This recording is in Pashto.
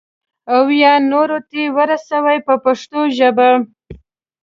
او یا نورو ته ورسوي په پښتو ژبه.